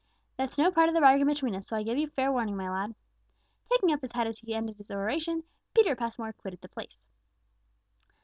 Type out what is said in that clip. That's no part of the bargain between us; so I give you fair warning, my lad." Taking up his hat as he ended his oration, Peter Passmore quitted the place.